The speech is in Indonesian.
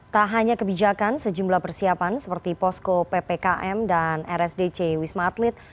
tak hanya kebijakan sejumlah persiapan seperti posko ppkm dan rsdc wisma atlet